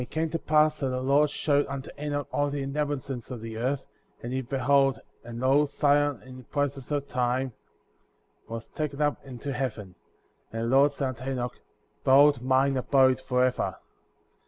And it came to pass that the Lord showed unto Enoch all the inhabitants of the earth f and he beheld, and lo, Zion, in process of time, was taken up into heaven. And the Lord said unto Enoch: Behold mine abode forever.